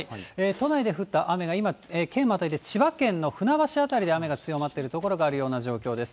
都内で降った雨が今、県をまたいで、千葉県の船橋辺りで雨が強まっている所があるような状況です。